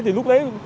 thì lúc đấy